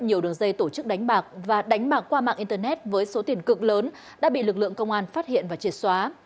nhiều đường dây tổ chức đánh bạc và đánh bạc qua mạng internet với số tiền cực lớn đã bị lực lượng công an phát hiện và triệt xóa